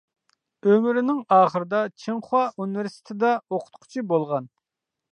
ئۆمرىنىڭ ئاخىرىدا چىڭخۇا ئۇنىۋېرسىتېتىدا ئوقۇتقۇچى بولغان.